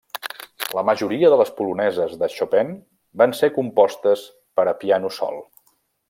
La majoria de les poloneses de Chopin van ser compostes per a piano sol.